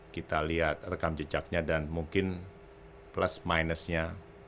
kita lihat rekam jejaknya dan mungkin plus minusnya